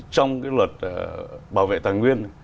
trong cái luật bảo vệ tàng nguyên